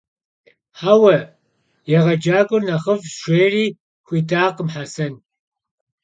Heue, yêğecak'uer nexhıf'ş, - jji'eri xuidakhım Hesen.